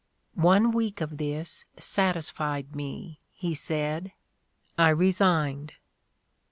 "One week of this satisfied me, '' he said. '' I resigned.